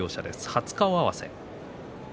初顔合わせ。